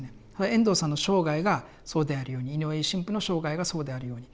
遠藤さんの生涯がそうであるように井上神父の生涯がそうであるように。